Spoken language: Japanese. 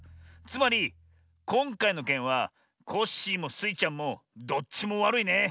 つまりこんかいのけんはコッシーもスイちゃんもどっちもわるいね。